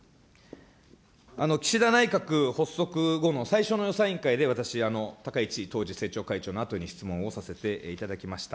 岸田内閣発足後の最初の予算委員会で私、高市当時政調会長のあとに質問をさせていただきました。